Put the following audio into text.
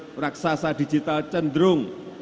algoritma raksasa digital cenderung